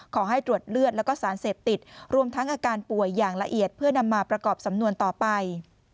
ขอให้ตรวจเลือดแล้วก็สารเสพติดรวมทั้งอาการป่วยอย่างละเอียดเพื่อนำมาประกอบสำนวนต่อไป